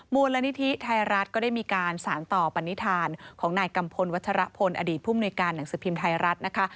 มูลนิธิไทยรัฐก็ได้มีการสารต่อปณิธานของนายกัมพลวัชรพลอดีตผู้มนุยการหนังสือพิมพ์ไทยรัฐนะคะ